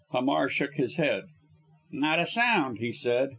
Hamar shook his head. "Not a sound," he said.